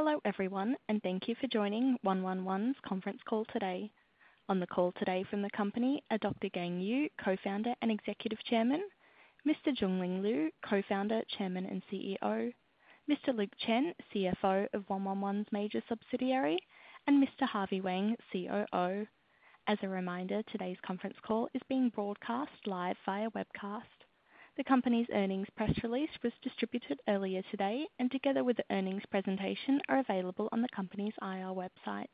Hello, everyone, and thank you for joining 111's conference call today. On the call today from the company are Dr. Gang Yu, Co-founder and Executive Chairman, Mr. Junling Liu, Co-founder, Chairman, and CEO, Mr. Luke Chen, CFO of 111's major subsidiary, and Mr. Harvey Wang, COO. As a reminder, today's conference call is being broadcast live via webcast. The company's earnings press release was distributed earlier today and together with the earnings presentation, are available on the company's IR website.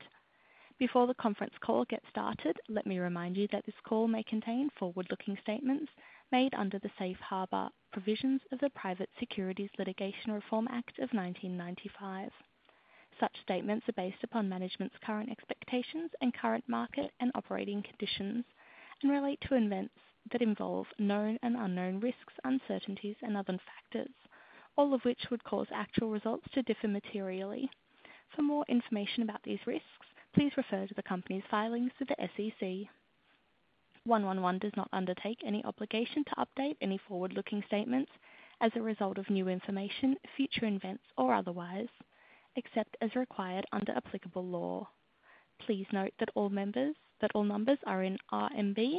Before the conference call gets started, let me remind you that this call may contain forward-looking statements made under the Safe Harbor provisions of the Private Securities Litigation Reform Act of 1995. Such statements are based upon management's current expectations and current market and operating conditions, and relate to events that involve known and unknown risks, uncertainties and other factors, all of which would cause actual results to differ materially. For more information about these risks, please refer to the company's filings to the SEC. 111 does not undertake any obligation to update any forward-looking statements as a result of new information, future events, or otherwise, except as required under applicable law. Please note that all numbers are in RMB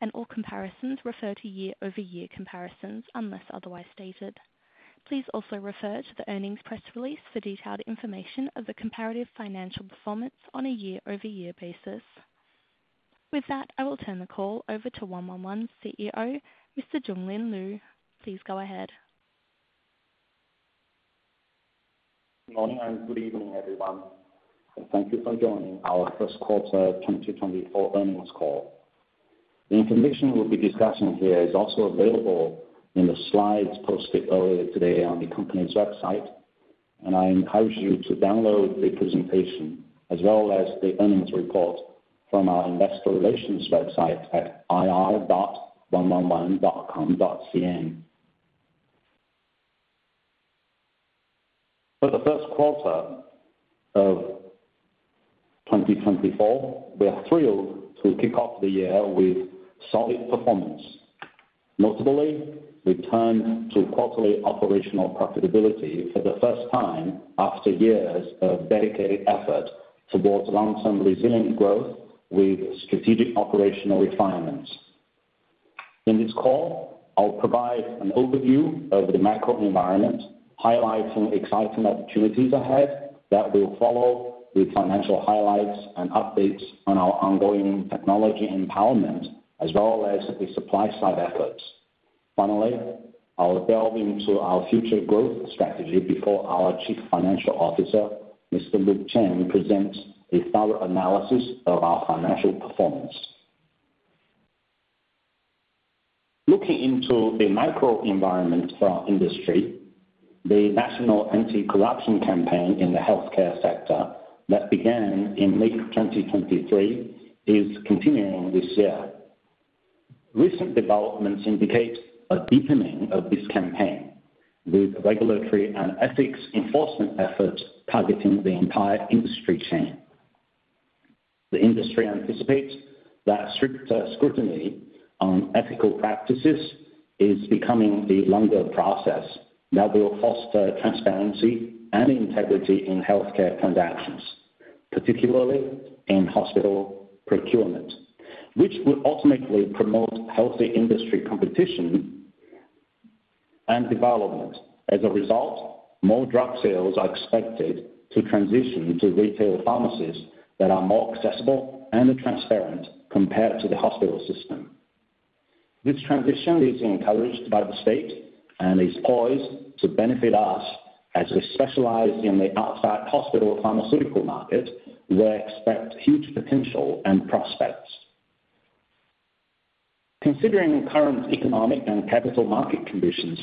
and all comparisons refer to year-over-year comparisons, unless otherwise stated. Please also refer to the earnings press release for detailed information of the comparative financial performance on a year-over-year basis. With that, I will turn the call over to 111's CEO, Mr. Junling Liu. Please go ahead. Good morning and good evening, everyone, and thank you for joining our first quarter 2024 earnings call. The information we'll be discussing here is also available in the slides posted earlier today on the company's website, and I encourage you to download the presentation as well as the earnings report from our investor relations website at ir.111.com.cn. For the first quarter of 2024, we are thrilled to kick off the year with solid performance. Notably, we turned to quarterly operational profitability for the first time after years of dedicated effort towards long-term resilient growth with strategic operational refinements. In this call, I'll provide an overview of the macro environment, highlighting exciting opportunities ahead that will follow with financial highlights and updates on our ongoing technology empowerment, as well as the supply side efforts. Finally, I'll delve into our future growth strategy before our Chief Financial Officer, Mr. Luke Chen presents a thorough analysis of our financial performance. Looking into the macro environment for our industry, the national anti-corruption campaign in the healthcare sector that began in late 2023 is continuing this year. Recent developments indicate a deepening of this campaign, with regulatory and ethics enforcement efforts targeting the entire industry chain. The industry anticipates that stricter scrutiny on ethical practices is becoming the longer process that will foster transparency and integrity in healthcare transactions, particularly in hospital procurement, which will ultimately promote healthy industry competition and development. As a result, more drug sales are expected to transition to retail pharmacies that are more accessible and transparent compared to the hospital system. This transition is encouraged by the state and is poised to benefit us as we specialize in the outside hospital pharmaceutical market, where expect huge potential and prospects. Considering the current economic and capital market conditions,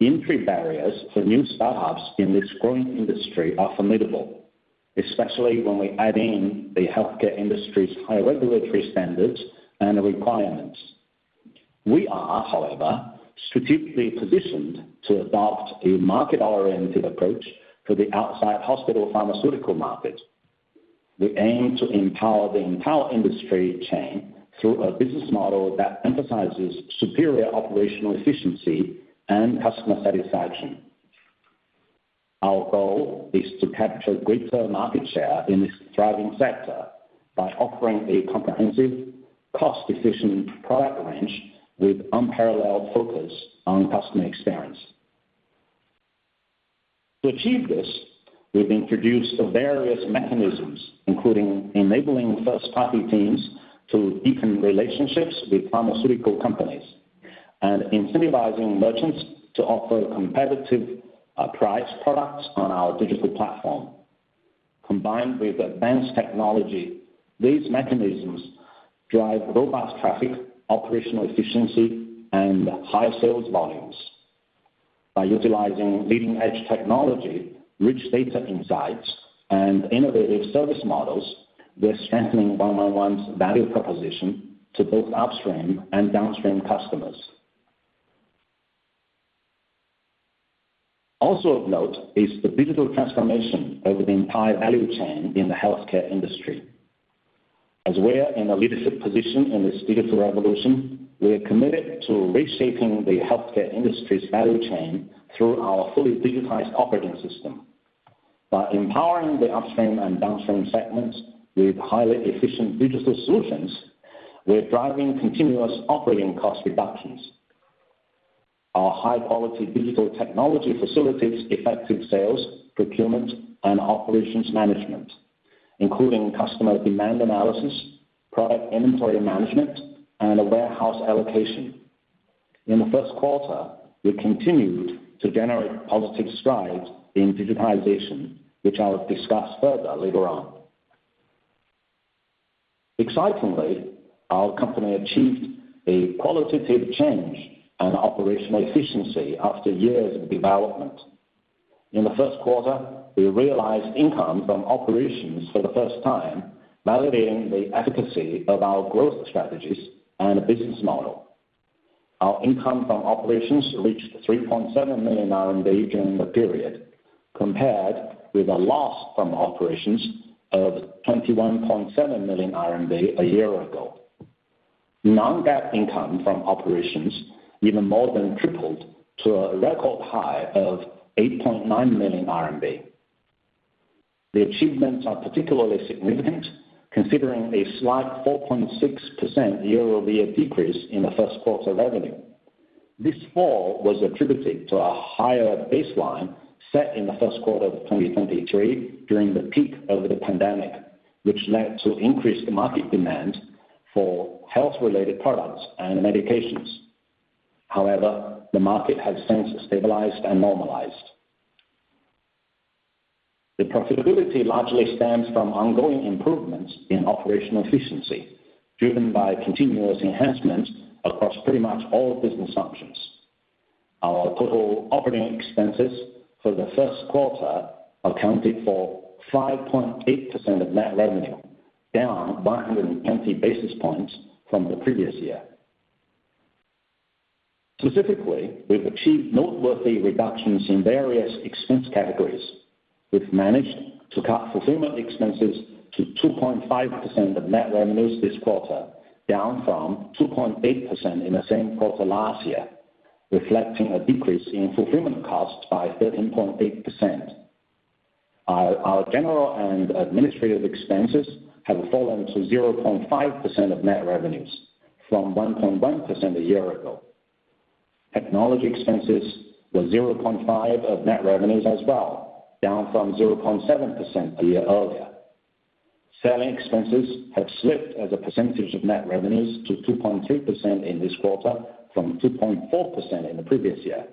entry barriers for new startups in this growing industry are formidable, especially when we add in the healthcare industry's high regulatory standards and requirements. We are, however, strategically positioned to adopt a market-oriented approach to the outside hospital pharmaceutical market. We aim to empower the entire industry chain through a business model that emphasizes superior operational efficiency and customer satisfaction. Our goal is to capture greater market share in this thriving sector by offering a comprehensive, cost-efficient product range with unparalleled focus on customer experience. To achieve this, we've introduced various mechanisms, including enabling first-party teams to deepen relationships with pharmaceutical companies and incentivizing merchants to offer competitive price products on our digital platform. Combined with advanced technology, these mechanisms drive robust traffic, operational efficiency, and high sales volumes. By utilizing leading-edge technology, rich data insights, and innovative service models, we're strengthening 111's value proposition to both upstream and downstream customers. Also of note is the digital transformation of the entire value chain in the healthcare industry. As we are in a leadership position in this digital revolution, we are committed to reshaping the healthcare industry's value chain through our fully digitized operating system. By empowering the upstream and downstream segments with highly efficient digital solutions, we're driving continuous operating cost reductions. Our high-quality digital technology facilitates effective sales, procurement, and operations management, including customer demand analysis, product inventory management, and warehouse allocation. In the first quarter, we continued to generate positive strides in digitization, which I'll discuss further later on. Excitingly, our company achieved a qualitative change and operational efficiency after years of development. In the first quarter, we realized income from operations for the first time, validating the efficacy of our growth strategies and business model. Our income from operations reached 3.7 million RMB during the period, compared with a loss from operations of 21.7 million RMB a year ago. Non-GAAP income from operations even more than tripled to a record high of 8.9 million RMB. The achievements are particularly significant, considering a slight 4.6% year-over-year decrease in the first quarter revenue. This fall was attributed to a higher baseline set in the first quarter of 2023 during the peak of the pandemic, which led to increased market demand for health-related products and medications. However, the market has since stabilized and normalized. The profitability largely stems from ongoing improvements in operational efficiency, driven by continuous enhancements across pretty much all business functions. Our total operating expenses for the first quarter accounted for 5.8% of net revenue, down 120 basis points from the previous year. Specifically, we've achieved noteworthy reductions in various expense categories. We've managed to cut fulfillment expenses to 2.5% of net revenues this quarter, down from 2.8% in the same quarter last year, reflecting a decrease in fulfillment costs by 13.8%. Our general and administrative expenses have fallen to 0.5% of net revenues from 1.1% a year ago. Technology expenses were 0.5% of net revenues as well, down from 0.7% a year earlier. Selling expenses have slipped as a percentage of net revenues to 2.2% in this quarter from 2.4% in the previous year.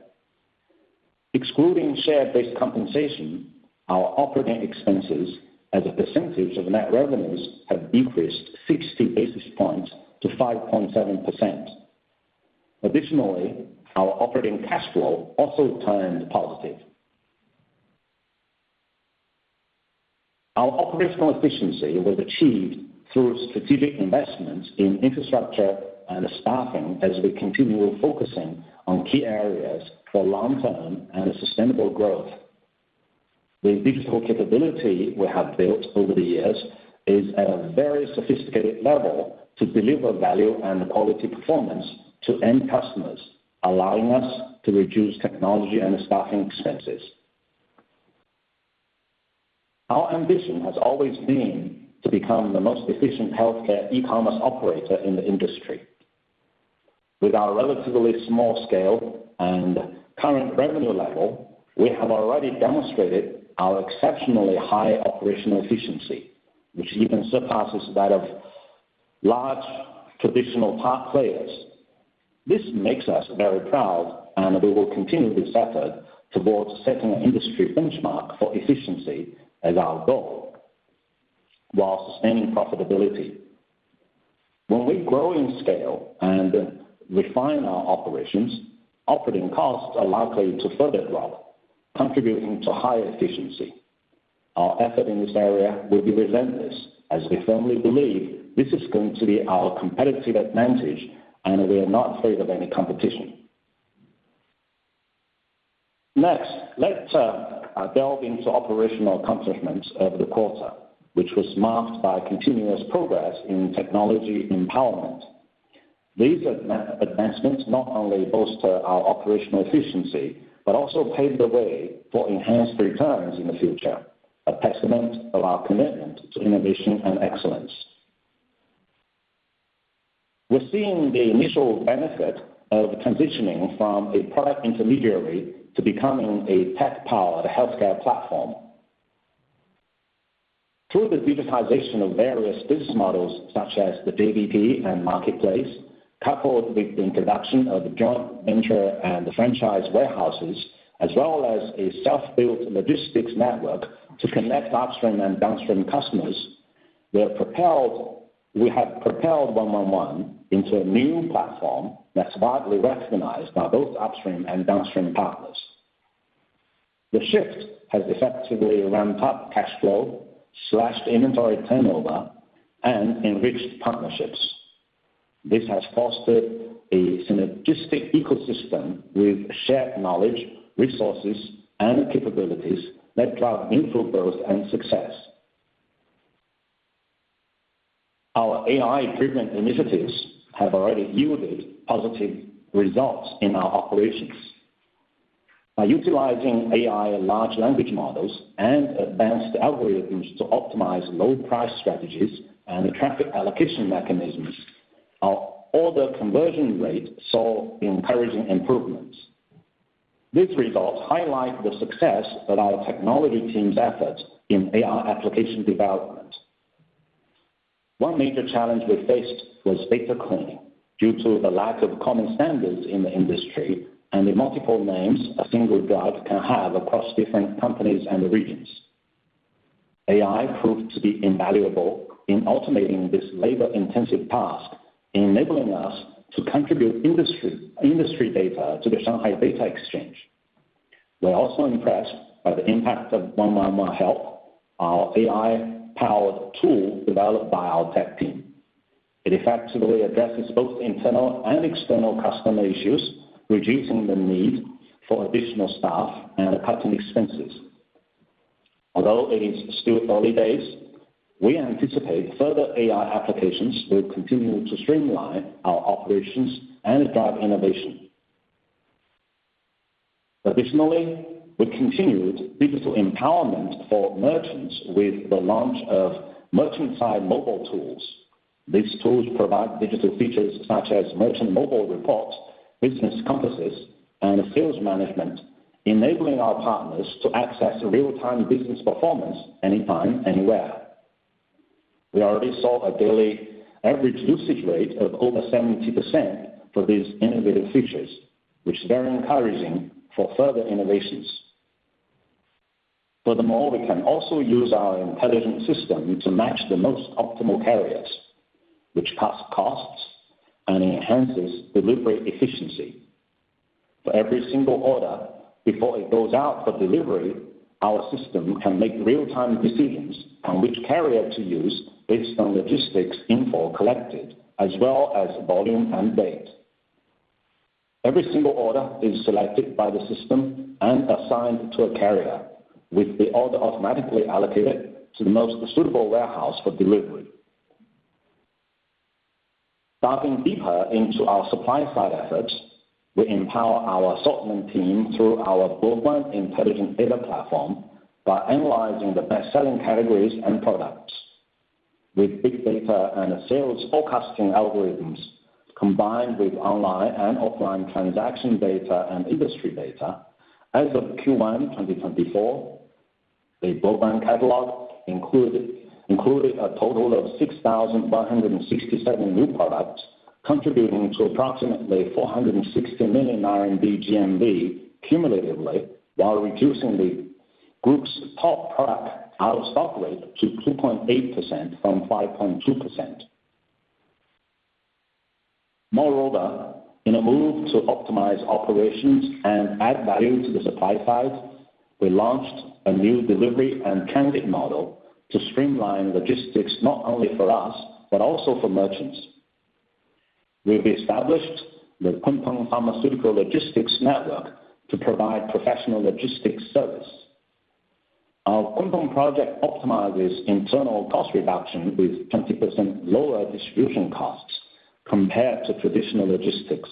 Excluding share-based compensation, our operating expenses as a percentage of net revenues have decreased 60 basis points to 5.7%. Additionally, our operating cash flow also turned positive. Our operational efficiency was achieved through strategic investments in infrastructure and staffing as we continue focusing on key areas for long-term and sustainable growth. The digital capability we have built over the years is at a very sophisticated level to deliver value and quality performance to end customers, allowing us to reduce technology and staffing expenses. Our ambition has always been to become the most efficient healthcare e-commerce operator in the industry. With our relatively small scale and current revenue level, we have already demonstrated our exceptionally high operational efficiency, which even surpasses that of large traditional top players. This makes us very proud, and we will continue this effort towards setting an industry benchmark for efficiency as our goal, while sustaining profitability. When we grow in scale and refine our operations, operating costs are likely to further drop, contributing to higher efficiency. Our effort in this area will be relentless, as we firmly believe this is going to be our competitive advantage, and we are not afraid of any competition. Next, let's dive into operational accomplishments of the quarter, which was marked by continuous progress in technology empowerment. These advancements not only bolster our operational efficiency, but also pave the way for enhanced returns in the future, a testament of our commitment to innovation and excellence. We're seeing the initial benefit of transitioning from a product intermediary to becoming a tech-powered healthcare platform. Through the digitization of various business models, such as the DTP and marketplace, coupled with the introduction of the joint venture and the franchise warehouses, as well as a self-built logistics network to connect upstream and downstream customers, we have propelled 111 into a new platform that's widely recognized by both upstream and downstream partners. The shift has effectively ramped up cash flow, slashed inventory turnover, and enriched partnerships. This has fostered a synergistic ecosystem with shared knowledge, resources, and capabilities that drive mutual growth and success. Our AI improvement initiatives have already yielded positive results in our operations. By utilizing AI and large language models and advanced algorithms to optimize low price strategies and traffic allocation mechanisms, our order conversion rate saw encouraging improvements. These results highlight the success of our technology team's efforts in AI application development. One major challenge we faced was data cleaning, due to the lack of common standards in the industry and the multiple names a single drug can have across different companies and regions. AI proved to be invaluable in automating this labor-intensive task, enabling us to contribute industry data to the Shanghai Data Exchange. We're also impressed by the impact of 111 Help, our AI-powered tool developed by our tech team. It effectively addresses both internal and external customer issues, reducing the need for additional staff and cutting expenses. Although it is still early days, we anticipate further AI applications will continue to streamline our operations and drive innovation. Additionally, we continued digital empowerment for merchants with the launch of merchant-side mobile tools. These tools provide digital features such as merchant mobile reports, Business Compass, and sales management, enabling our partners to access real-time business performance anytime, anywhere. We already saw a daily average usage rate of over 70% for these innovative features, which is very encouraging for further innovations. Furthermore, we can also use our intelligent system to match the most optimal carriers, which cuts costs and enhances delivery efficiency. For every single order, before it goes out for delivery, our system can make real-time decisions on which carrier to use based on logistics info collected, as well as volume and date. Every single order is selected by the system and assigned to a carrier, with the order automatically allocated to the most suitable warehouse for delivery. Diving deeper into our supply side efforts, we empower our assortment team through our Boguan intelligent data platform by analyzing the best-selling categories and products. With big data and sales forecasting algorithms, combined with online and offline transaction data and industry data, as of Q1 2024, the Boguan catalog included a total of 6,567 new products, contributing to approximately 460 million RMB GMV cumulatively, while reducing the group's top product out-of-stock rate to 2.8% from 5.2%. Moreover, in a move to optimize operations and add value to the supply side, we launched a new delivery and transit model to streamline logistics, not only for us, but also for merchants. We've established the Kuntong Pharmaceutical Logistics Network to provide professional logistics service. Our Kuntong project optimizes internal cost reduction with 20% lower distribution costs compared to traditional logistics.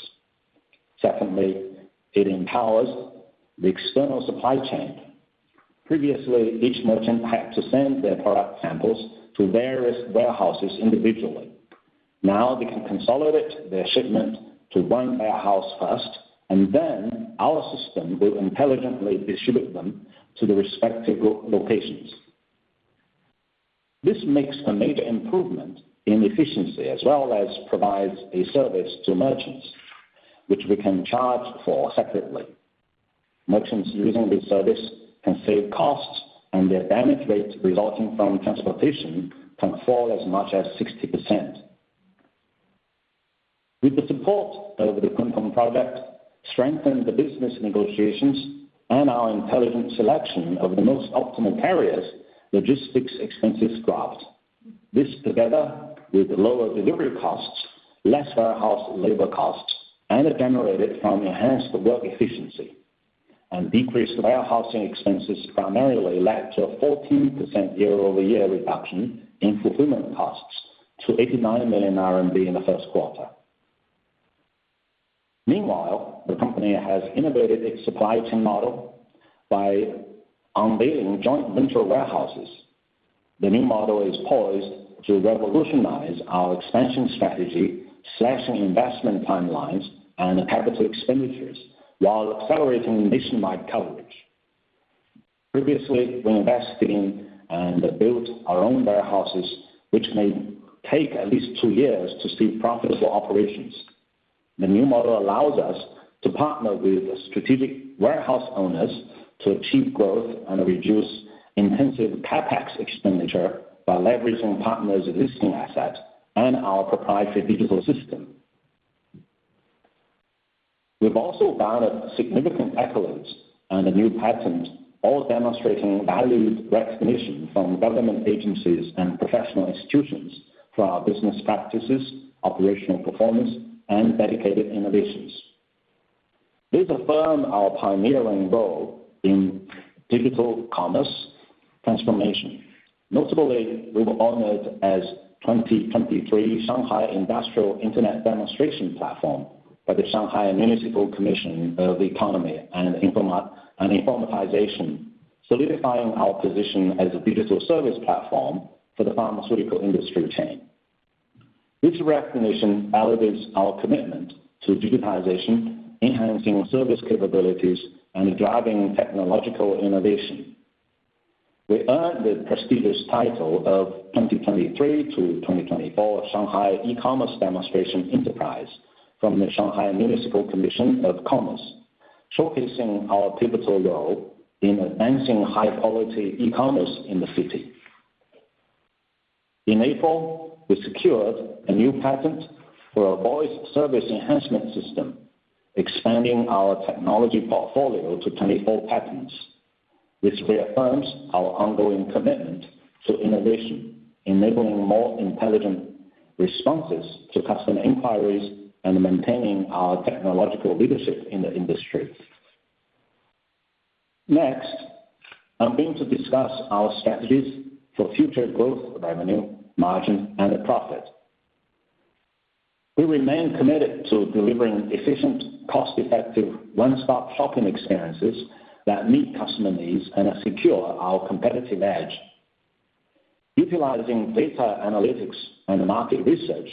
Secondly, it empowers the external supply chain. Previously, each merchant had to send their product samples to various warehouses individually. Now, they can consolidate their shipment to one warehouse first, and then our system will intelligently distribute them to the respective locations. This makes a major improvement in efficiency, as well as provides a service to merchants, which we can charge for separately. Merchants using this service can save costs, and their damage rate resulting from transportation can fall as much as 60%. With the support of the Kuntong project, strengthen the business negotiations, and our intelligent selection of the most optimal carriers, logistics expenses dropped. This, together with lower delivery costs, less warehouse labor costs, and generated from enhanced work efficiency and decreased warehousing expenses, primarily led to a 14% year-over-year reduction in fulfillment costs to 89 million RMB in the first quarter. Meanwhile, the company has innovated its supply chain model by unveiling joint venture warehouses. The new model is poised to revolutionize our expansion strategy, slashing investment timelines and capital expenditures, while accelerating nationwide coverage. Previously, we invested in and built our own warehouses, which may take at least two years to see profitable operations. The new model allows us to partner with strategic warehouse owners to achieve growth and reduce intensive CapEx expenditure by leveraging partners' existing assets and our proprietary digital system.... We've also garnered significant accolades and a new patent, all demonstrating valued recognition from government agencies and professional institutions for our business practices, operational performance, and dedicated innovations. This affirms our pioneering role in digital commerce transformation. Notably, we were honored as 2023 Shanghai Industrial Internet Demonstration Platform by the Shanghai Municipal Commission of the Economy and Informatization, solidifying our position as a digital service platform for the pharmaceutical industry chain. This recognition elevates our commitment to digitization, enhancing service capabilities, and driving technological innovation. We earned the prestigious title of 2023 to 2024 Shanghai E-commerce Demonstration Enterprise from the Shanghai Municipal Commission of Commerce, showcasing our pivotal role in advancing high-quality e-commerce in the city. In April, we secured a new patent for our voice service enhancement system, expanding our technology portfolio to 24 patents, which reaffirms our ongoing commitment to innovation, enabling more intelligent responses to customer inquiries and maintaining our technological leadership in the industry. Next, I'm going to discuss our strategies for future growth, revenue, margin, and profit. We remain committed to delivering efficient, cost-effective, one-stop shopping experiences that meet customer needs and secure our competitive edge. Utilizing data analytics and market research,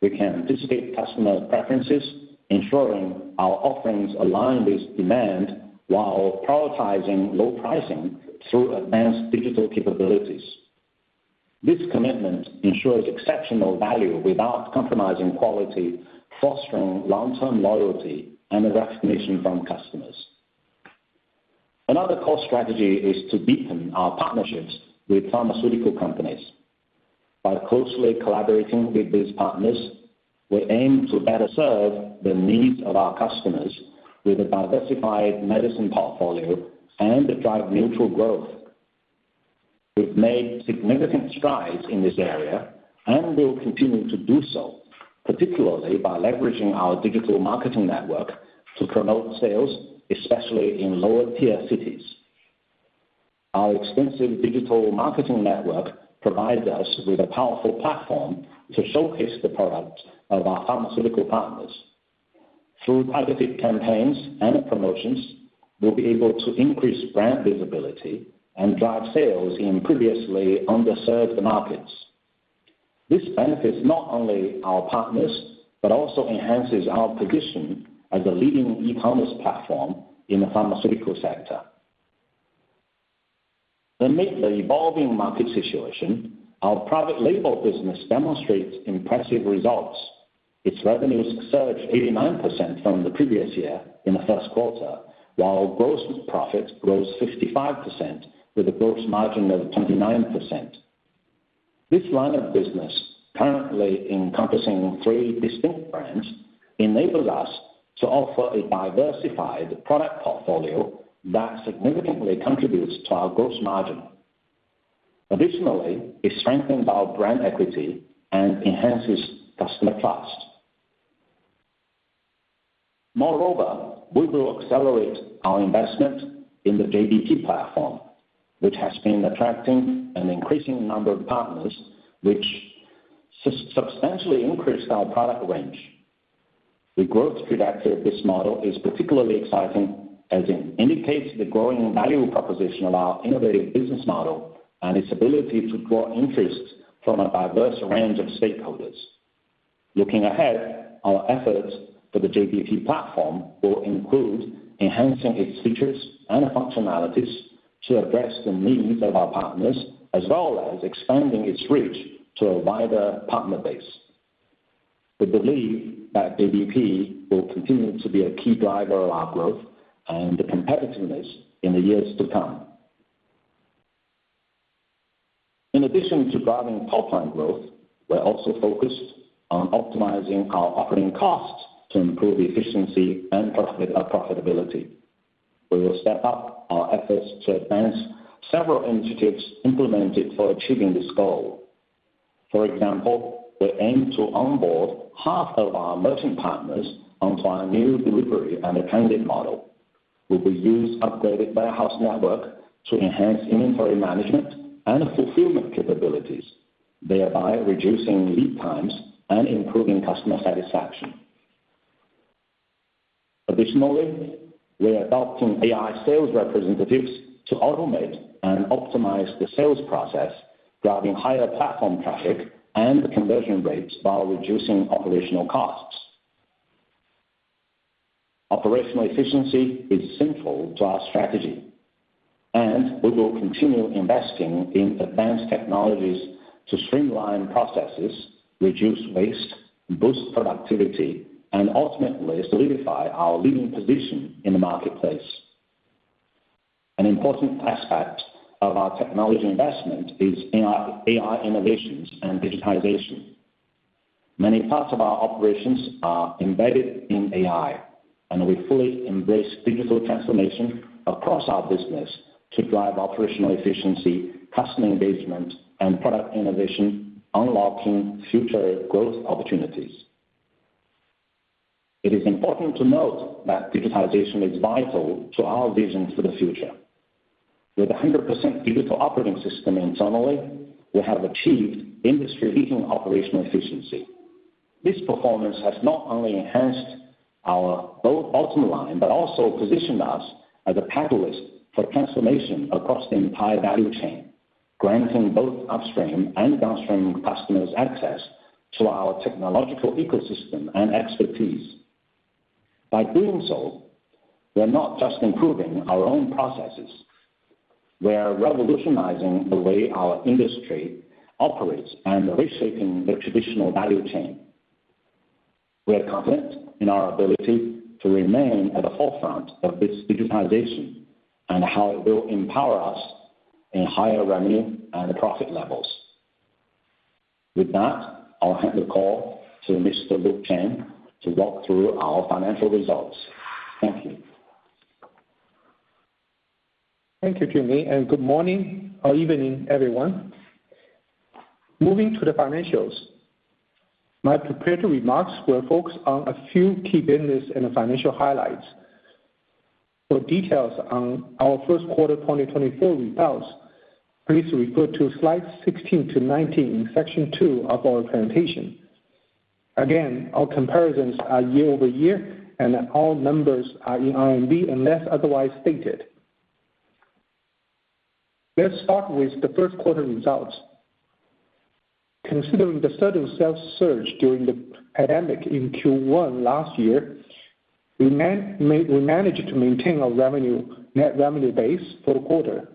we can anticipate customer preferences, ensuring our offerings align with demand while prioritizing low pricing through advanced digital capabilities. This commitment ensures exceptional value without compromising quality, fostering long-term loyalty and recognition from customers. Another core strategy is to deepen our partnerships with pharmaceutical companies. By closely collaborating with these partners, we aim to better serve the needs of our customers with a diversified medicine portfolio and drive mutual growth. We've made significant strides in this area and will continue to do so, particularly by leveraging our digital marketing network to promote sales, especially in lower-tier cities. Our extensive digital marketing network provides us with a powerful platform to showcase the products of our pharmaceutical partners. Through targeted campaigns and promotions, we'll be able to increase brand visibility and drive sales in previously underserved markets. This benefits not only our partners, but also enhances our position as a leading e-commerce platform in the pharmaceutical sector. Amid the evolving market situation, our private label business demonstrates impressive results. Its revenues surged 89% from the previous year in the first quarter, while gross profit grows 55% with a gross margin of 29%. This line of business, currently encompassing three distinct brands, enables us to offer a diversified product portfolio that significantly contributes to our gross margin. Additionally, it strengthens our brand equity and enhances customer trust. Moreover, we will accelerate our investment in the JBP platform, which has been attracting an increasing number of partners, which substantially increased our product range. The growth trajectory of this model is particularly exciting, as it indicates the growing value proposition of our innovative business model and its ability to draw interest from a diverse range of stakeholders. Looking ahead, our efforts for the JBP platform will include enhancing its features and functionalities to address the needs of our partners, as well as expanding its reach to a wider partner base. We believe that JBP will continue to be a key driver of our growth and competitiveness in the years to come. In addition to driving top-line growth, we're also focused on optimizing our operating costs to improve efficiency and profitability. We will step up our efforts to advance several initiatives implemented for achieving this goal. For example, we aim to onboard half of our merchant partners onto our new delivery and transit model. We will use upgraded warehouse network to enhance inventory management and fulfillment capabilities, thereby reducing lead times and improving customer satisfaction. Additionally, we are adopting AI sales representatives to automate and optimize the sales process, driving higher platform traffic and conversion rates while reducing operational costs. Operational efficiency is central to our strategy, and we will continue investing in advanced technologies to streamline processes, reduce waste, boost productivity, and ultimately solidify our leading position in the marketplace. An important aspect of our technology investment is AI, AI innovations and digitization. Many parts of our operations are embedded in AI, and we fully embrace digital transformation across our business to drive operational efficiency, customer engagement, and product innovation, unlocking future growth opportunities. It is important to note that digitization is vital to our vision for the future. With 100% digital operating system internally, we have achieved industry-leading operational efficiency. This performance has not only enhanced our bottom line, but also positioned us as a catalyst for transformation across the entire value chain, granting both upstream and downstream customers access to our technological ecosystem and expertise. By doing so, we're not just improving our own processes, we are revolutionizing the way our industry operates and reshaping the traditional value chain. We are confident in our ability to remain at the forefront of this digitization and how it will empower us in higher revenue and profit levels. With that, I'll hand the call to Mr. Luke Chen to walk through our financial results. Thank you. Thank you, Junling, and good morning or evening, everyone. Moving to the financials, my prepared remarks will focus on a few key business and financial highlights. For details on our first quarter 2024 results, please refer to slides 16 to 19 in section two of our presentation. Again, our comparisons are year-over-year, and all numbers are in RMB unless otherwise stated. Let's start with the first quarter results. Considering the sudden sales surge during the pandemic in Q1 last year, we managed to maintain our revenue, net revenue base for the quarter,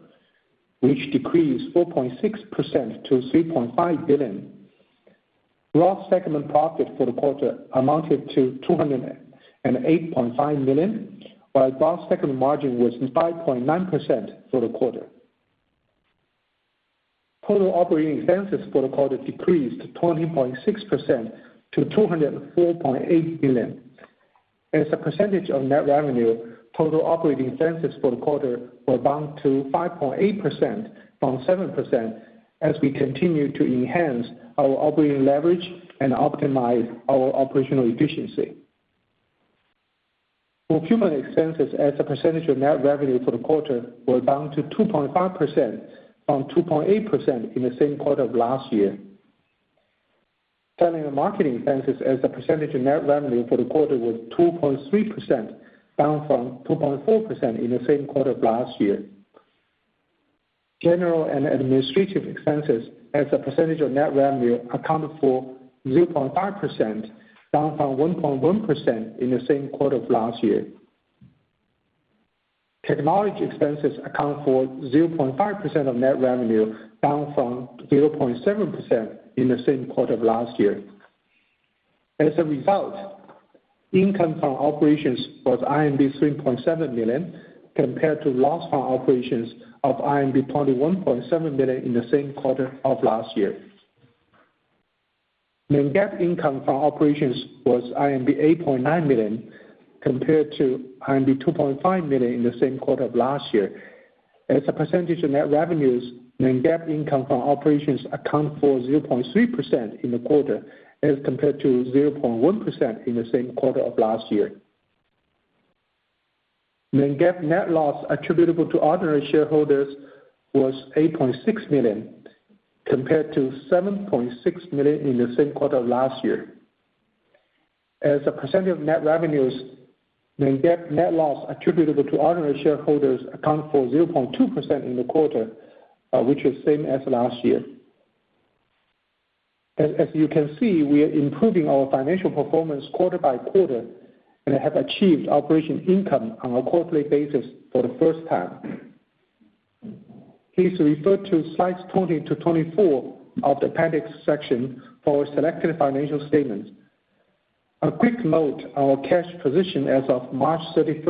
which decreased 4.6% to 3.5 billion. Gross segment profit for the quarter amounted to 208.5 million, while gross segment margin was 5.9% for the quarter. Total operating expenses for the quarter decreased 20.6% to 204.8 billion. As a percentage of net revenue, total operating expenses for the quarter were down to 5.8% from 7%, as we continue to enhance our operating leverage and optimize our operational efficiency. Procurement expenses as a percentage of net revenue for the quarter were down to 2.5% from 2.8% in the same quarter of last year. Selling and marketing expenses as a percentage of net revenue for the quarter were 2.3%, down from 2.4% in the same quarter of last year. General and administrative expenses as a percentage of net revenue accounted for 0.5%, down from 1.1% in the same quarter of last year. Technology expenses account for 0.5% of net revenue, down from 0.7% in the same quarter of last year. As a result, income from operations was 3.7 million, compared to loss from operations of 21.7 million in the same quarter of last year. Non-GAAP income from operations was 8.9 million, compared to 2.5 million in the same quarter of last year. As a percentage of net revenues, Non-GAAP income from operations account for 0.3% in the quarter, as compared to 0.1% in the same quarter of last year. Non-GAAP net loss attributable to ordinary shareholders was 8.6 million, compared to 7.6 million in the same quarter of last year. As a percentage of net revenues, non-GAAP net loss attributable to ordinary shareholders account for 0.2% in the quarter, which is same as last year. As you can see, we are improving our financial performance quarter by quarter and have achieved operating income on a quarterly basis for the first time. Please refer to slides 20 to 24 of the appendix section for selected financial statements. A quick note on our cash position. As of March 31,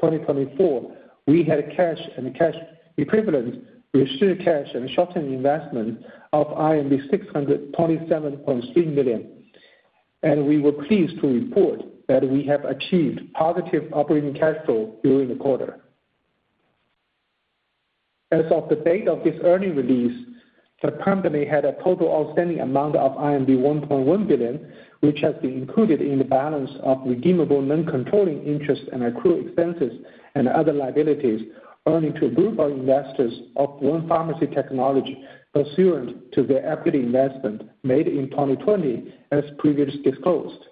2024, we had cash and cash equivalents, restricted cash and short-term investment of 627.3 million, and we were pleased to report that we have achieved positive operating cash flow during the quarter. As of the date of this earnings release, the company had a total outstanding amount of 1.1 billion, which has been included in the balance of redeemable non-controlling interests and accrued expenses and other liabilities, owing to a group of investors of one Pharmacy Technology pursuant to their equity investment made in 2020, as previously disclosed.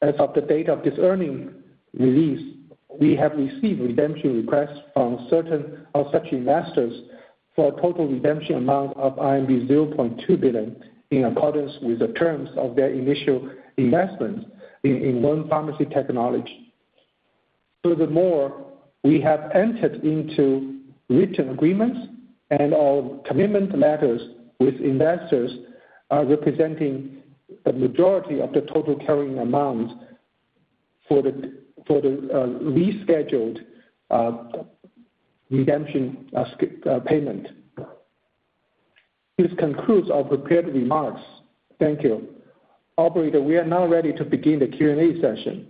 As of the date of this earnings release, we have received redemption requests from certain of such investors for a total redemption amount of RMB 0.2 billion, in accordance with the terms of their initial investment in one Pharmacy Technology. Furthermore, we have entered into written agreements and all commitment letters with investors representing- ... the majority of the total carrying amount for the, for the, rescheduled redemption payment. This concludes our prepared remarks. Thank you. Operator, we are now ready to begin the Q&A session.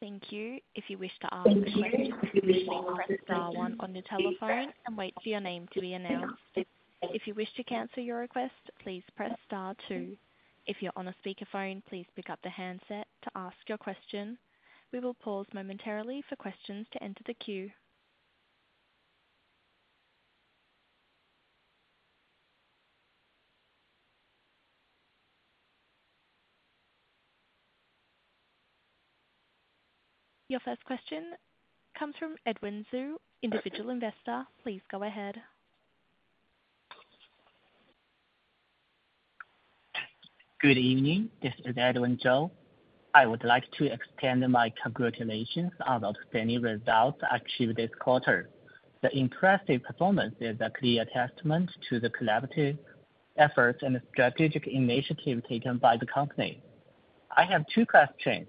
Thank you. If you wish to ask a question, please press star one on your telephone and wait for your name to be announced. If you wish to cancel your request, please press star two. If you're on a speakerphone, please pick up the handset to ask your question. We will pause momentarily for questions to enter the queue. Your first question comes from Edwin Zhu, individual investor. Please go ahead. Good evening. This is Edwin Zhu. I would like to extend my congratulations on outstanding results achieved this quarter. The impressive performance is a clear testament to the collaborative efforts and strategic initiative taken by the company. I have two questions.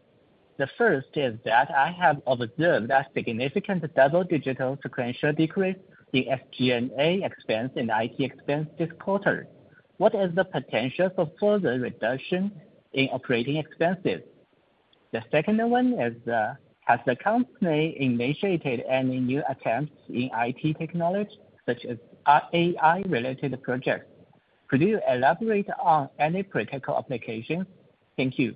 The first is that I have observed a significant double-digit sequential decrease in SG&A expense and IT expense this quarter. What is the potential for further reduction in operating expenses? The second one is, has the company initiated any new attempts in IT technology, such as, AI-related projects? Could you elaborate on any practical application? Thank you.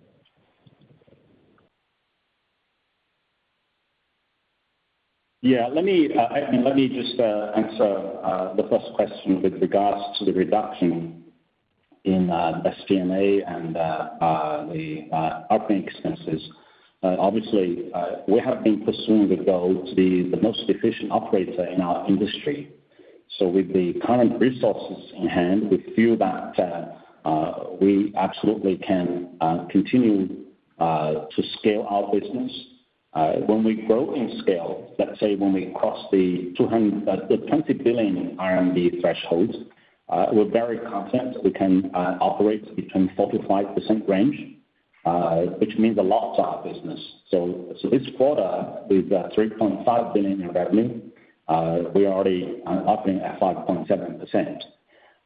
Yeah, let me let me just answer the first question with regards to the reduction in SG&A and the operating expenses. Obviously, we have been pursuing the goal to be the most efficient operator in our industry. So with the current resources in hand, we feel that we absolutely can continue to scale our business. When we grow in scale, let's say when we cross the 20 billion RMB threshold, we're very confident we can operate between 4% to 5% range, which means a lot to our business. So this quarter, with 3.5 billion in revenue, we're already operating at 5.7%.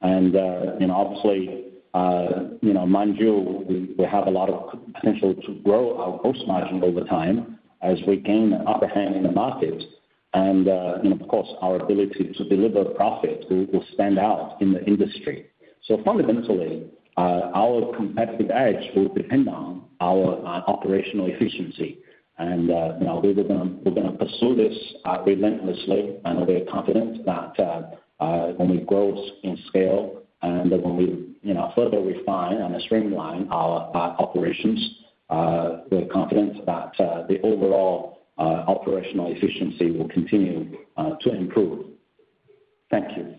You know, obviously, you know, mind you, we have a lot of potential to grow our gross margin over time as we gain the upper hand in the market. And, of course, our ability to deliver profit will stand out in the industry. So fundamentally, our competitive edge will depend on our operational efficiency. And, you know, we're gonna pursue this relentlessly, and we're confident that when we grow in scale and when we further refine and streamline our operations, we're confident that the overall operational efficiency will continue to improve. Thank you.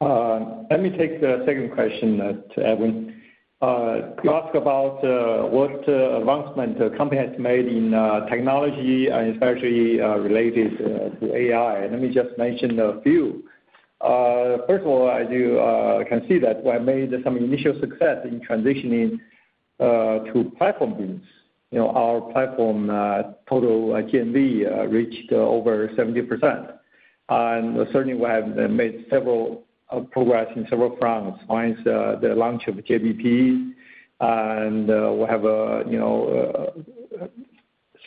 Let me take the second question to Edwin. You ask about what advancement the company has made in technology, and especially related to AI. Let me just mention a few. First of all, as you can see that we have made some initial success in transitioning to platform business. You know, our platform total GMV reached over 70%. And certainly, we have made several progress in several fronts since the launch of JBP. And we have, you know,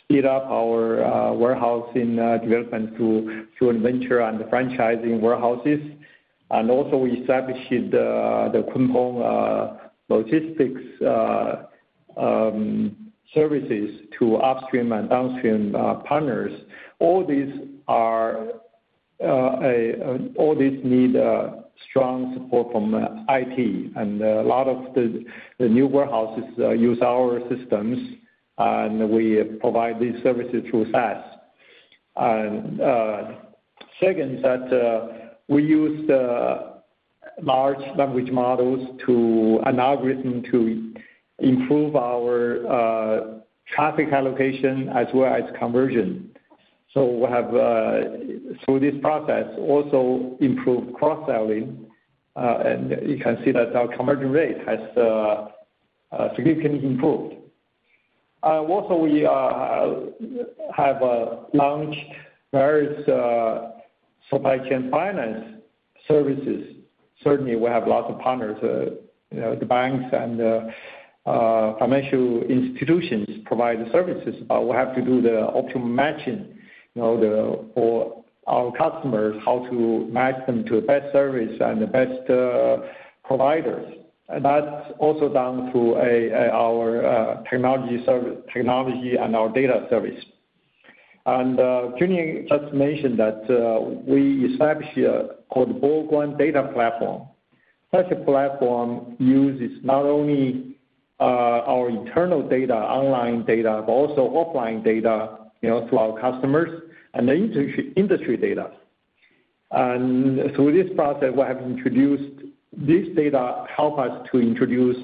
speed up our warehouse in development through venture and franchising warehouses. And also we established the Kuntong logistics services to upstream and downstream partners. All these are a... All these need strong support from IT, and a lot of the new warehouses use our systems, and we provide these services through SaaS. Second, we use the large language models to an algorithm to improve our traffic allocation as well as conversion. So we have, through this process, also improved cross-selling, and you can see that our conversion rate has significantly improved. Also, we have launched various supply chain finance services. Certainly, we have lots of partners, you know, the banks and financial institutions provide the services, but we have to do the optimal matching, you know, for our customers, how to match them to the best service and the best providers. That's also down to our technology service technology and our data service. Junling just mentioned that we established called Boguan Data Platform. Such a platform uses not only our internal data, online data, but also offline data, you know, to our customers and the industry data. And through this process, we have introduced this data help us to introduce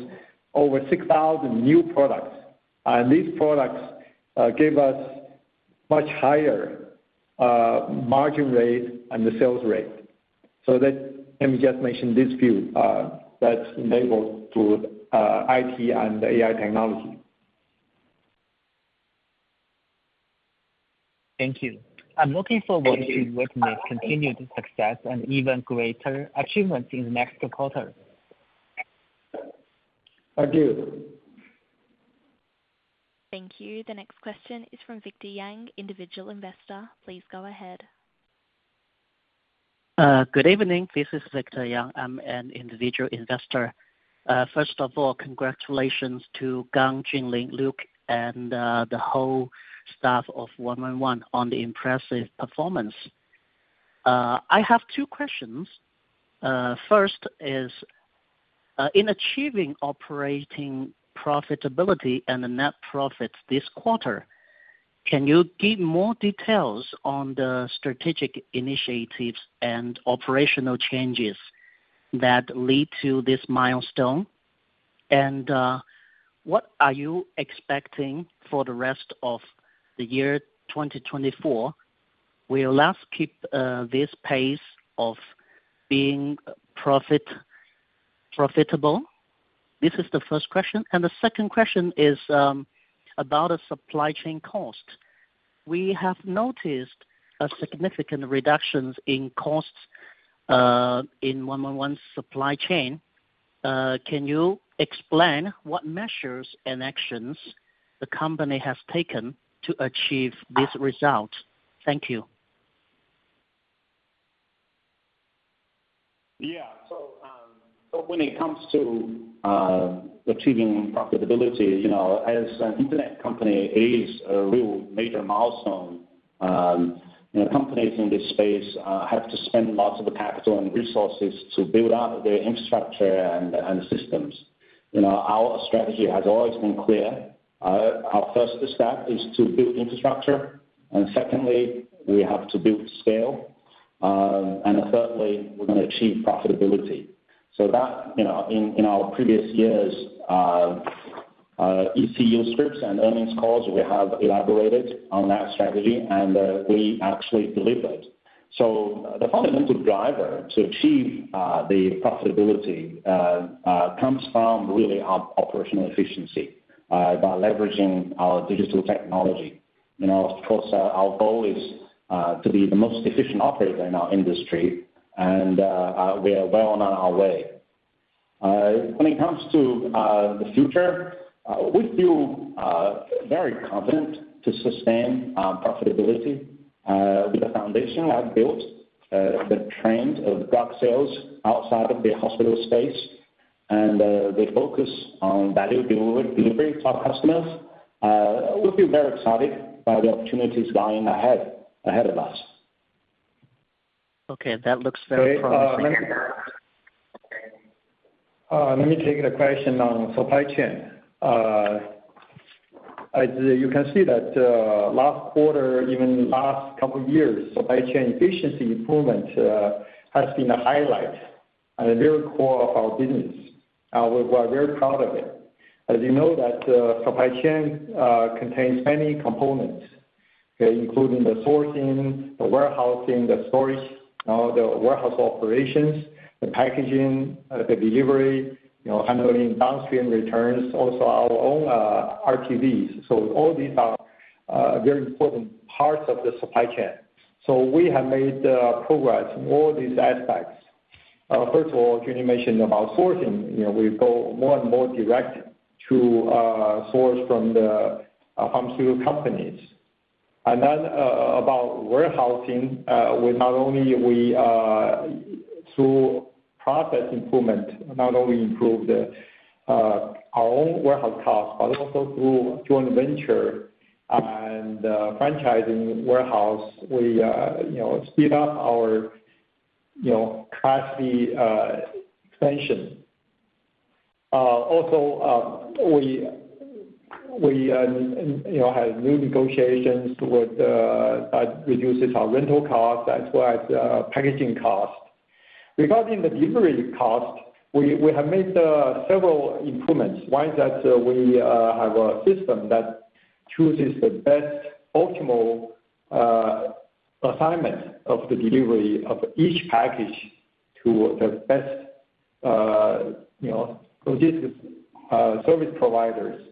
over 6,000 new products. And these products gave us much higher margin rate and the sales rate. So that, let me just mention these few, that's enabled through IT and AI technology. Thank you. I'm looking forward to witness continued success and even greater achievements in the next quarter. Thank you. Thank you. The next question is from Victor Yang, individual investor. Please go ahead. Good evening. This is Victor Yang. I'm an individual investor. First of all, congratulations to Gang, Jun, Lin, Luke, and the whole staff of 111 on the impressive performance. I have two questions. First is, in achieving operating profitability and the net profits this quarter, can you give more details on the strategic initiatives and operational changes that lead to this milestone? And what are you expecting for the rest of the year 2024? Will last keep this pace of being profitable? This is the first question. And the second question is, about a supply chain cost. We have noticed a significant reductions in costs in 111's supply chain. Can you explain what measures and actions the company has taken to achieve these results? Thank you. Yeah. So when it comes to achieving profitability, you know, as an internet company, it is a real major milestone. You know, companies in this space have to spend lots of capital and resources to build out their infrastructure and systems. You know, our strategy has always been clear. Our first step is to build infrastructure, and secondly, we have to build scale, and thirdly, we're gonna achieve profitability. So that, you know, in our previous years, SEC scripts and earnings calls, we have elaborated on that strategy, and we actually delivered. So the fundamental driver to achieve the profitability comes from really our operational efficiency by leveraging our digital technology. You know, of course, our goal is to be the most efficient operator in our industry, and we are well on our way. When it comes to the future, we feel very confident to sustain our profitability with the foundation I've built, the trends of drug sales outside of the hospital space and the focus on value delivery to our customers. We feel very excited by the opportunities lying ahead, ahead of us. Okay, that looks very promising. Let me take the question on supply chain. As you can see that, last quarter, even last couple of years, supply chain efficiency improvement has been a highlight and a very core of our business. We were very proud of it. As you know, that, supply chain contains many components, including the sourcing, the warehousing, the storage, the warehouse operations, the packaging, the delivery, you know, handling downstream returns, also our own, RTVs. So all these are very important parts of the supply chain. So we have made progress in all these aspects. First of all, Jun you mentioned about sourcing, you know, we go more and more direct to source from the pharmaceutical companies. And then, about warehousing, we not only, through process improvement, not only improve our own warehouse cost, but also through joint venture and franchising warehouse, we you know, speed up our you know, classy expansion. Also, we we you know, have new negotiations with that reduces our rental cost as well as packaging cost. Regarding the delivery cost, we we have made several improvements. One is that we have a system that chooses the best optimal assignment of the delivery of each package to the best you know, logistics service providers.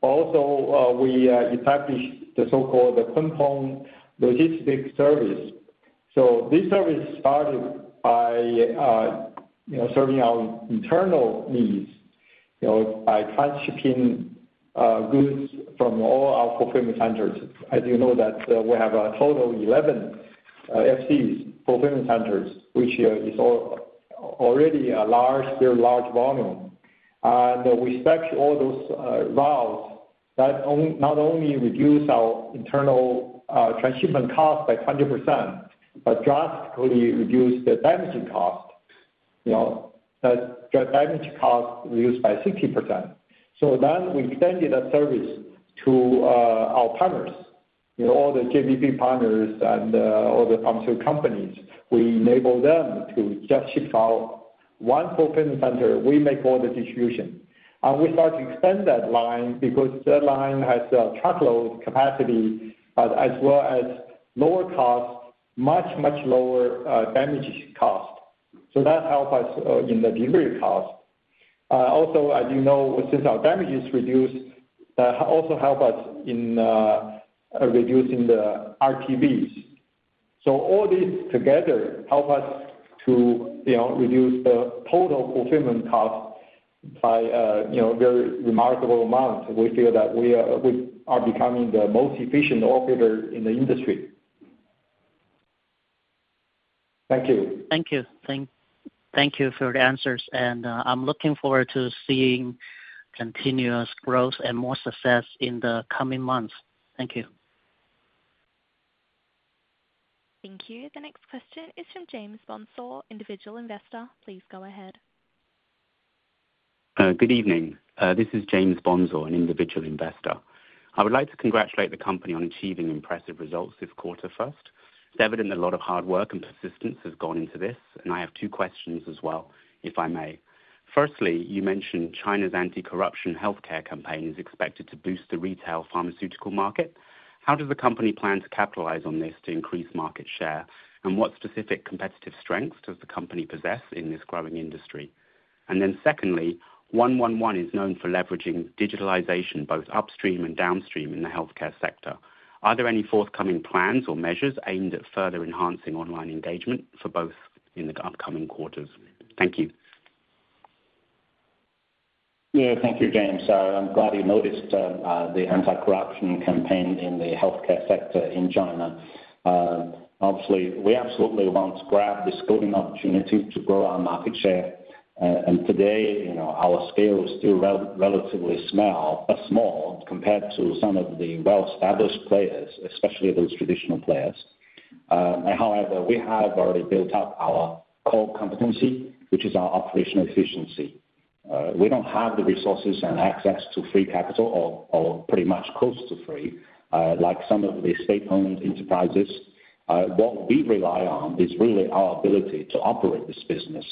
Also, we established the so-called the Kuntong logistic service. So this service started by you know, serving our internal needs, you know, by transhipping goods from all our fulfillment centers. As you know, that we have a total of 11 FCs, fulfillment centers, which is already a large, very large volume. And we stack all those routes that not only reduce our internal transshipment cost by 100%, but drastically reduce the damaging cost, you know, that the damage cost reduced by 60%. So then we extended that service to our partners. You know, all the JBP partners and all the pharmaceutical companies. We enable them to just ship out-... one fulfillment center, we make all the distribution. We start to extend that line because that line has a truckload capacity as well as lower cost, much, much lower damage cost. That help us in the delivery cost. Also, as you know, since our damage is reduced, that also help us in reducing the RTVs. All these together help us to, you know, reduce the total fulfillment cost by, you know, very remarkable amount. We feel that we are becoming the most efficient operator in the industry. Thank you. Thank you. Thank you for the answers, and I'm looking forward to seeing continuous growth and more success in the coming months. Thank you. Thank you. The next question is from James Bonsor, individual investor. Please go ahead. Good evening. This is James Bonsor, an individual investor. I would like to congratulate the company on achieving impressive results this quarter first. It's evident a lot of hard work and persistence has gone into this, and I have two questions as well, if I may. Firstly, you mentioned China's anti-corruption healthcare campaign is expected to boost the retail pharmaceutical market. How does the company plan to capitalize on this to increase market share? And what specific competitive strengths does the company possess in this growing industry? And then secondly, 111 is known for leveraging digitalization, both upstream and downstream in the healthcare sector. Are there any forthcoming plans or measures aimed at further enhancing online engagement for both in the upcoming quarters? Thank you. Yeah. Thank you, James. I'm glad you noticed the anti-corruption campaign in the healthcare sector in China. Obviously, we absolutely want to grab this golden opportunity to grow our market share. And today, you know, our scale is still relatively small, small compared to some of the well-established players, especially those traditional players. However, we have already built up our core competency, which is our operational efficiency. We don't have the resources and access to free capital or pretty much close to free, like some of the state-owned enterprises. What we rely on is really our ability to operate this business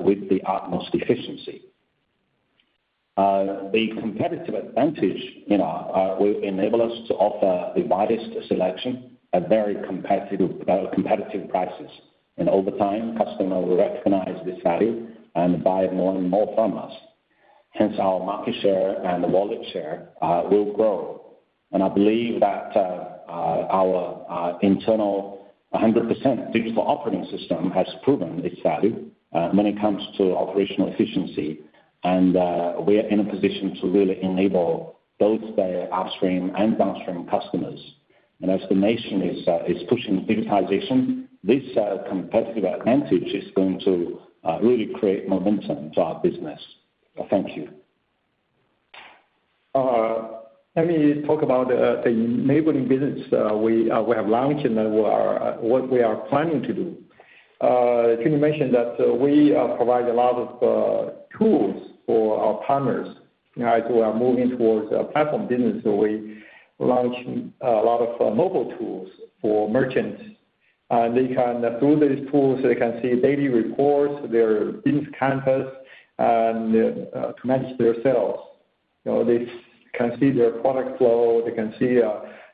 with the utmost efficiency. The competitive advantage, you know, will enable us to offer the widest selection at very competitive, competitive prices. Over time, customer will recognize this value and buy more and more from us, hence our market share and the wallet share will grow. I believe that our internal 100% digital operating system has proven its value when it comes to operational efficiency. We are in a position to really enable both the upstream and downstream customers. As the nation is pushing digitization, this competitive advantage is going to really create momentum to our business. Thank you. Let me talk about the enabling business we have launched and what we are planning to do. Junling mentioned that we provide a lot of tools for our partners as we are moving towards a platform business. So we launched a lot of mobile tools for merchants. They can, through these tools, they can see daily reports, their business canvas, and to manage their sales. You know, they can see their product flow, they can see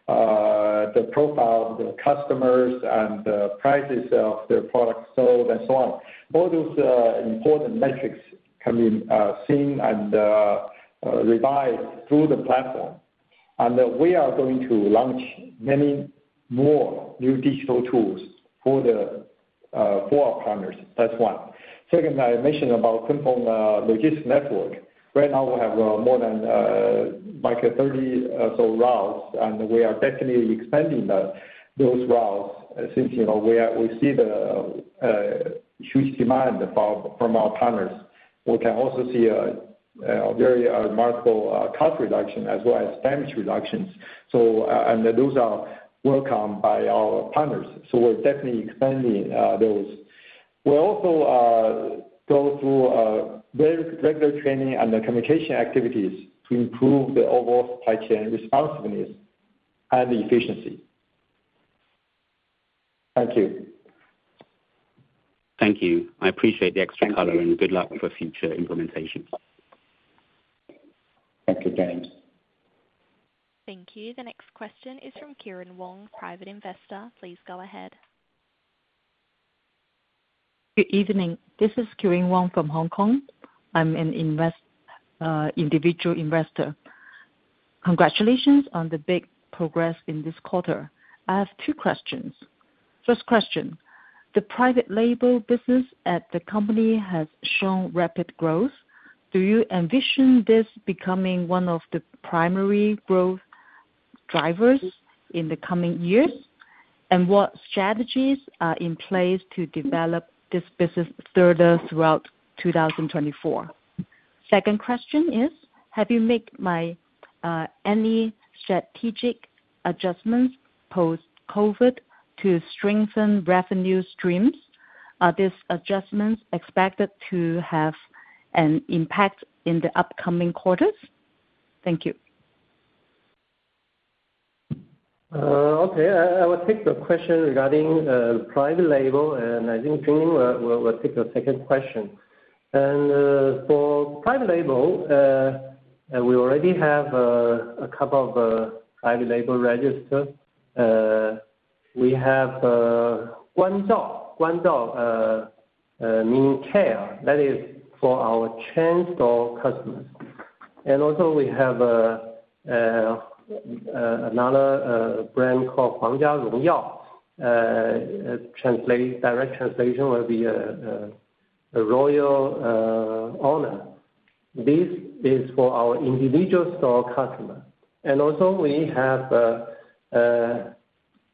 the profile of the customers and the prices of their products sold and so on. All those important metrics can be seen and revised through the platform. And we are going to launch many more new digital tools for our partners. That's one. Second, I mentioned about Kuntong logistics network. Right now, we have more than, like 30 or so routes, and we are definitely expanding those routes, since, you know, we see the huge demand about from our partners. We can also see a very remarkable cost reduction as well as damage reductions. So, and those are welcomed by our partners, so we're definitely expanding those. We'll also go through very regular training and communication activities to improve the overall supply chain responsiveness and efficiency. Thank you. Thank you. I appreciate the extra color- Thank you. and good luck for future implementations. Thank you, James. Thank you. The next question is from Kieran Wong, private investor. Please go ahead. Good evening. This is Kieran Wong from Hong Kong. I'm an individual investor. Congratulations on the big progress in this quarter. I have two questions. First question: the private label business at the company has shown rapid growth. Do you envision this becoming one of the primary growth drivers in the coming years? And what strategies are in place to develop this business further throughout 2024? Second question is: have you made any strategic adjustments post-COVID to strengthen revenue streams? Are these adjustments expected to have an impact in the upcoming quarters? Thank you.... Okay, I will take the question regarding private label, and I think Jingming will take the second question. For private label, we already have a couple of private label registered. We have Guanzhao. Guanzhao, meaning care. That is for our chain store customers. And also we have another brand called Huangjia Rongyao. Direct translation will be Royal Honor. This is for our individual store customer. And also we have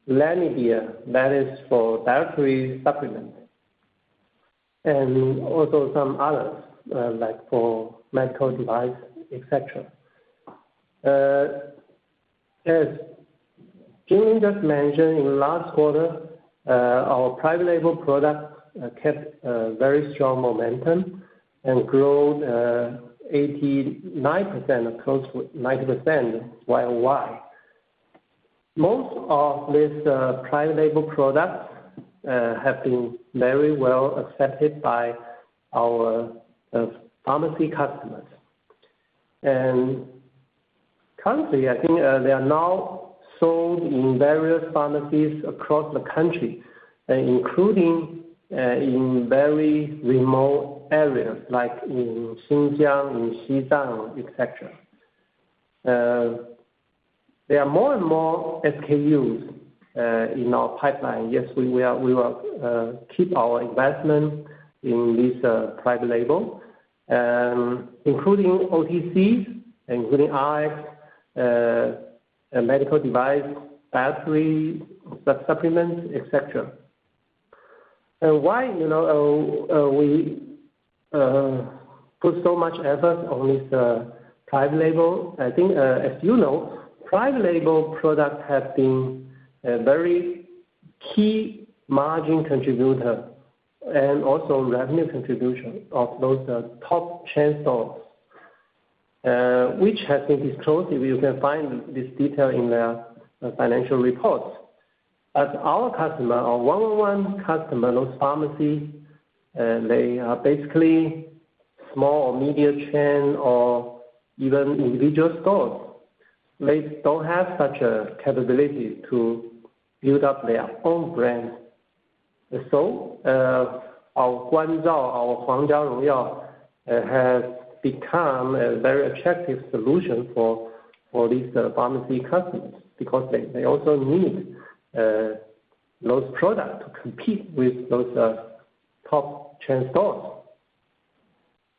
Landi, that is for dietary supplement, and also some others, like for medical device, et cetera. As Jingming just mentioned, in the last quarter, our private label product kept a very strong momentum and grew 89%, or close to 90% year-over-year. Most of these private label products have been very well accepted by our pharmacy customers. And currently, I think, they are now sold in various pharmacies across the country, including in very remote areas, like in Xinjiang, in Xinjiang, et cetera. There are more and more SKUs in our pipeline. Yes, we will, we will keep our investment in this private label, including OTCs, including eyes, and medical device, battery, supplements, et cetera. And why, you know, we put so much effort on this private label? I think, as you know, private label products have been a very key margin contributor and also revenue contribution of those top chain stores, which has been disclosed, if you can find this detail in their financial reports. As our customer, our 111 customer, those pharmacy, they are basically small or medium chain or even individual stores. They don't have such a capability to build up their own brand. So, our Guanzhao, our Huangjia Rongyao, has become a very attractive solution for these pharmacy customers, because they also need those products to compete with those top chain stores.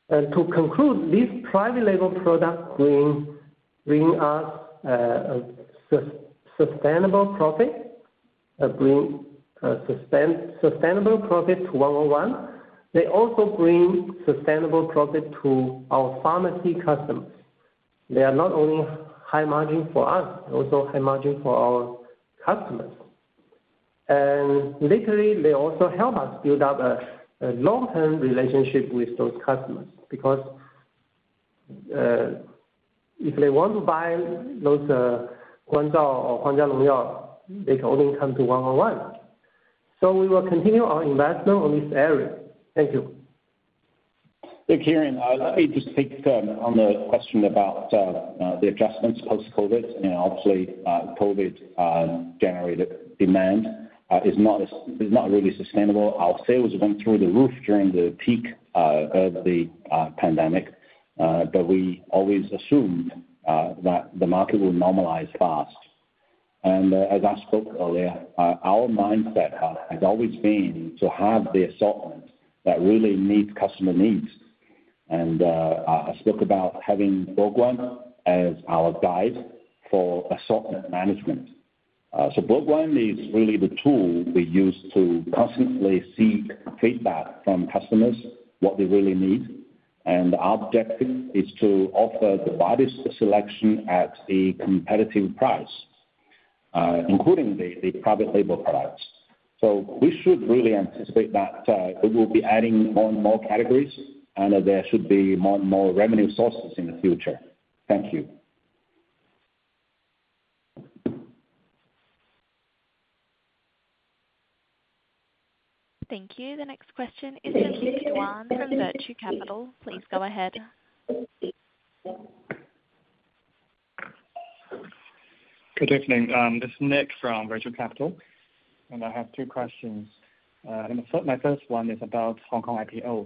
And to conclude, these private label products bring us sustainable profit, bring sustainable profit to 111. They also bring sustainable profit to our pharmacy customers. They are not only high margin for us, they're also high margin for our customers. And literally, they also help us build up a long-term relationship with those customers, because if they want to buy those Guanzhao or Huangjia Rongyao, they can only come to 111. We will continue our investment on this area. Thank you. Hey, Kieran, let me just take on the question about the adjustments post-COVID, and obviously, COVID generated demand is not really sustainable. Our sales went through the roof during the peak of the pandemic, but we always assumed that the market will normalize fast. And as I spoke earlier, our mindset has always been to have the assortment that really meet customer needs. And I spoke about having Boguan as our guide for assortment management. So Boguan is really the tool we use to constantly seek feedback from customers, what they really need. And our objective is to offer the widest selection at a competitive price, including the private label products. So we should really anticipate that, we will be adding more and more categories, and there should be more and more revenue sources in the future. Thank you. Thank you. The next question is from Nick Yuan from Virtu Capital. Please go ahead. Good evening. This is Nick from Virtu Capital, and I have two questions. And the first—my first one is about Hong Kong IPO.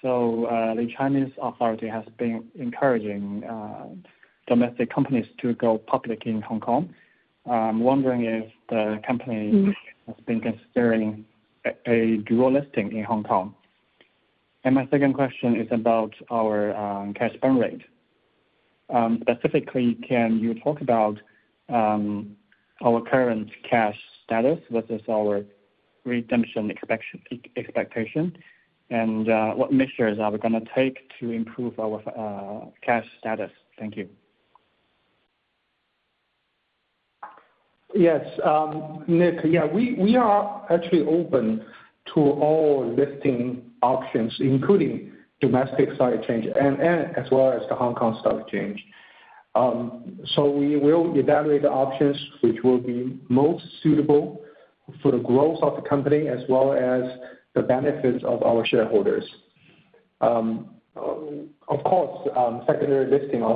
So, the Chinese authority has been encouraging domestic companies to go public in Hong Kong. I'm wondering if the company- Mm. Has been considering a dual listing in Hong Kong? And my second question is about our cash burn rate. Specifically, can you talk about our current cash status versus our redemption expectation, and what measures are we gonna take to improve our cash status? Thank you. Yes, Nick, yeah, we are actually open to all listing options, including domestic stock exchange and as well as the Hong Kong Stock Exchange. So we will evaluate the options which will be most suitable.... for the growth of the company as well as the benefits of our shareholders. Of course, secondary listing or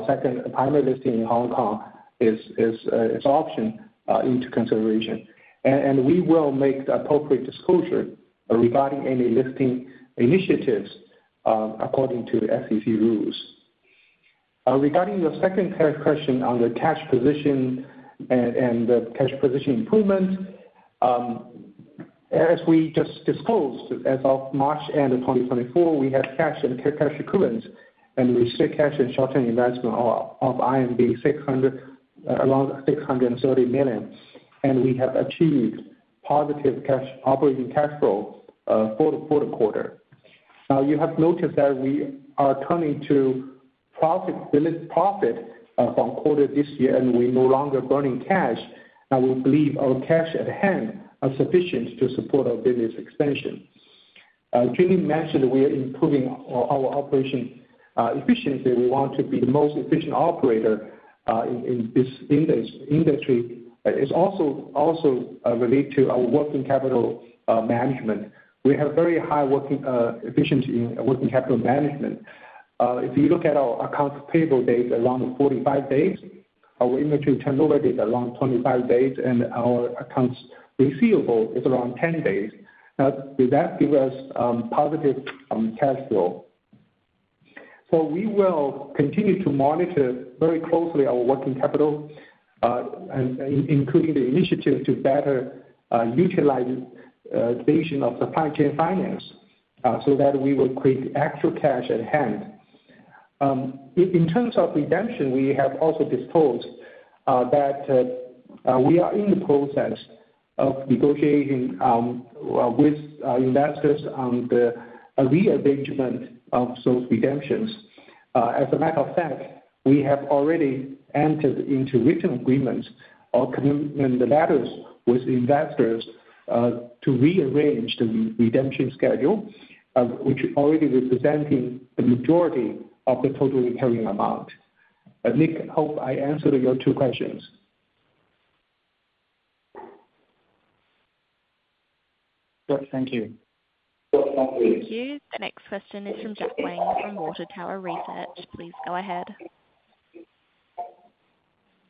primary listing in Hong Kong is an option under consideration. And we will make the appropriate disclosure regarding any listing initiatives according to the SEC rules. Regarding your second part question on the cash position and the cash position improvement, as we just disclosed, as of the end of March 2024, we had cash and cash equivalents, and short-term investments of 600, around 630 million, and we have achieved positive operating cash flow for the fourth quarter. Now, you have noted that we are turning to profit, limited profit, from this quarter this year, and we're no longer burning cash. We believe our cash at hand are sufficient to support our business expansion. Junling mentioned we are improving our operation efficiency. We want to be the most efficient operator in this industry. It's also relate to our working capital management. We have very high working efficiency in working capital management. If you look at our accounts payable days, around 45 days, our inventory turnover is around 25 days, and our accounts receivable is around 10 days. Now, that give us positive cash flow. So we will continue to monitor very closely our working capital and including the initiative to better utilization of the supply chain finance, so that we will create actual cash at hand. In terms of redemption, we have also disclosed that we are in the process of negotiating with investors on the rearrangement of those redemptions. As a matter of fact, we have already entered into written agreements or commitment letters with investors to rearrange the redemption schedule, which already representing the majority of the total recurring amount. Nick, I hope I answered your two questions. Yes, thank you. Thank you. The next question is from Jack Wang from Water Tower Research. Please go ahead.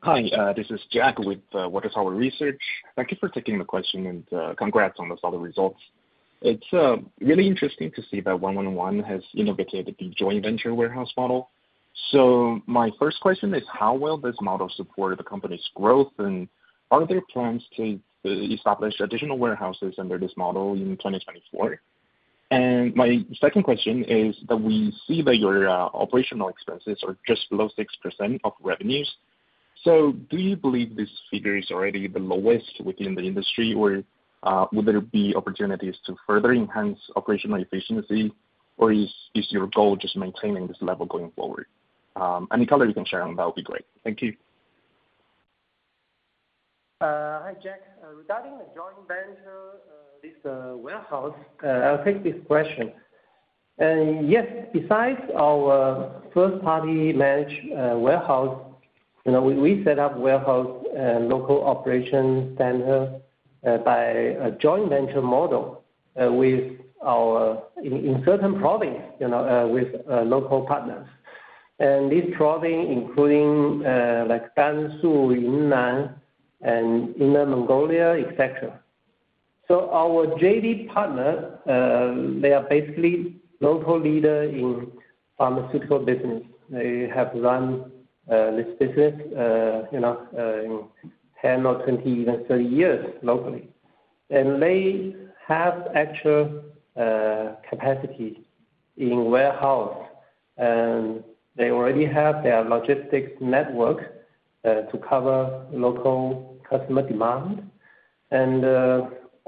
Hi, this is Jack with Water Tower Research. Thank you for taking the question, and congrats on those other results. It's really interesting to see that 111 has innovated the joint venture warehouse model. So my first question is: How will this model support the company's growth? And are there plans to establish additional warehouses under this model in 2024? And my second question is that we see that your operational expenses are just below 6% of revenues. So do you believe this figure is already the lowest within the industry, or will there be opportunities to further enhance operational efficiency, or is your goal just maintaining this level going forward? Any color you can share on that will be great. Thank you. Hi, Jack. Regarding the joint venture, this warehouse, I'll take this question. Yes, besides our first-party managed warehouse, you know, we set up warehouse local operation center by a joint venture model with our... In certain provinces, you know, with local partners. And this province including like Gansu, Yunnan, and Inner Mongolia, etc. So our JV partner they are basically local leader in pharmaceutical business. They have run this business, you know, in 10 or 20, even 30 years locally. And they have actual capacity in warehouse, and they already have their logistics network to cover local customer demand. And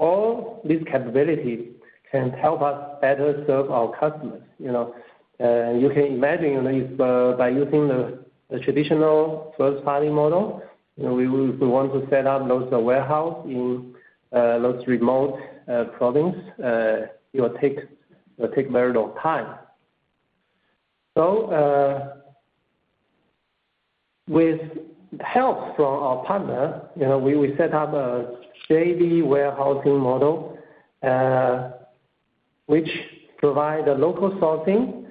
all these capabilities can help us better serve our customers, you know. You can imagine, you know, if by using the traditional first-party model, you know, we want to set up those warehouse in those remote province, it will take very long time. So, with help from our partner, you know, we set up a JV warehousing model, which provide a local sourcing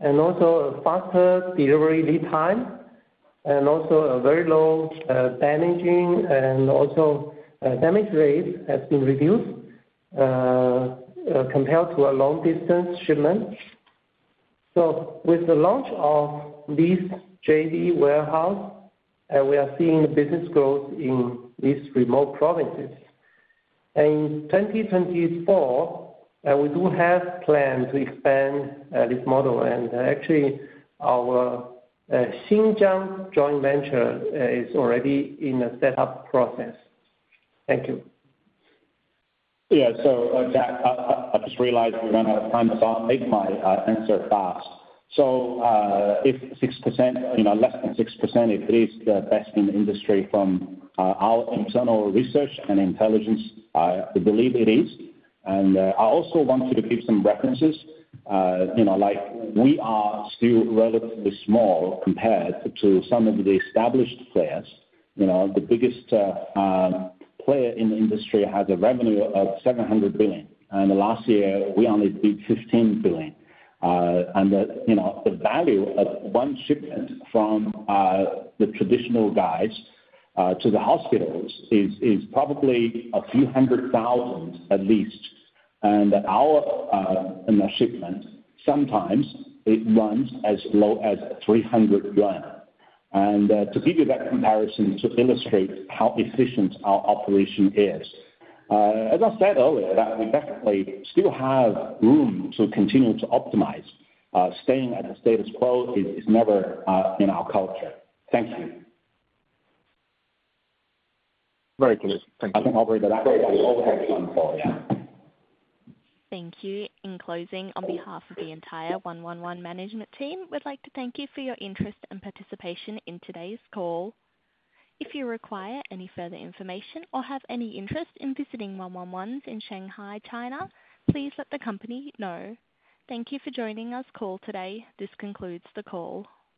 and also a faster delivery lead time, and also a very low damaging and also damage rates has been reduced, compared to a long-distance shipment. So with the launch of this JV warehouse, we are seeing business growth in these remote provinces. In 2024, we do have plan to expand this model, and actually, our Xinjiang joint venture is already in the setup process. Thank you. Yeah. So, Jack, I, I, I just realized we ran out of time, so I'll make my answer fast. So, if 6%, you know, less than 6%, if it is the best in the industry from our internal research and intelligence, I believe it is. And, I also want you to give some references. You know, like, we are still relatively small compared to some of the established players. You know, the biggest player in the industry has a revenue of 700 billion, and last year we only did 15 billion. And the, you know, the value of one shipment from the traditional guys to the hospitals is, is probably RMB a few hundred thousand at least. And our, in the shipment, sometimes it runs as low as 300 yuan. To give you that comparison, to illustrate how efficient our operation is. As I said earlier, that we definitely still have room to continue to optimize. Staying at the status quo is never in our culture. Thank you. Very clear. Thank you. I think I'll bring it up. Thank you. In closing, on behalf of the entire 111 management team, we'd like to thank you for your interest and participation in today's call. If you require any further information or have any interest in visiting 111 in Shanghai, China, please let the company know. Thank you for joining us call today. This concludes the call.